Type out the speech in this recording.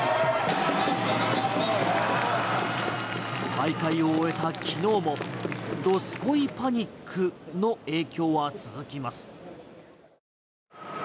大会を終えた昨日もどすこいパニックの影響は続きます。